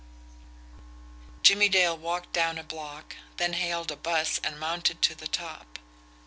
Jimmie Dale walked down a block, then hailed a bus and mounted to the top.